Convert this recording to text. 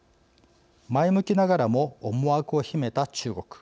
前向きながらも思惑を秘めた中国。